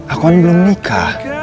aku kan belum nikah